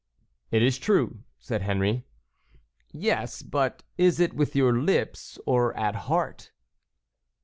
"It is true," said Henry. "Yes, but is it with your lips or at heart?"